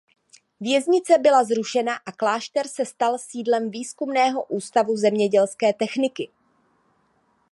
Věznice byla zrušena a klášter se stal sídlem Výzkumného ústavu zemědělské techniky.